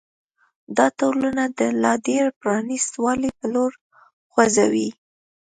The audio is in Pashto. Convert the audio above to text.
دا ټولنه د لا ډېر پرانیست والي په لور خوځوي.